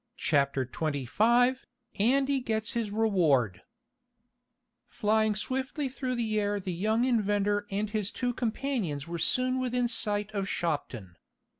Chapter 25 Andy Gets His Reward Flying swiftly through the air the young inventor and his two companions were soon within sight of Shopton.